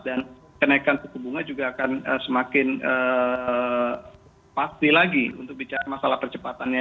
dan kenaikan suku bunga juga akan semakin pasti lagi untuk bicara masalah percepatannya